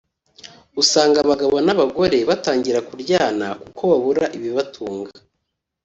usanga abagabo n’abagore batangira kuryana kuko babura ibibatunga